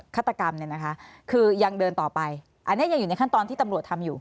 ฆาตกรรมเนี่ยนะคะคือยังเดินต่อไปอันนี้ยังอยู่ในขั้นตอนที่ตำรวจทำอยู่